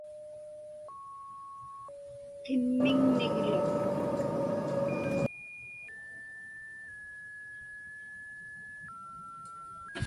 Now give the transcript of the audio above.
qimmiŋñiglu